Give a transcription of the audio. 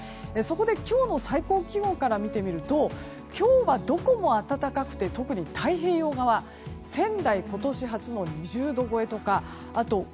そこで今日の最高気温から見てみると今日はどこも暖かくて特に太平洋側仙台、今年初の２０度超えとかあと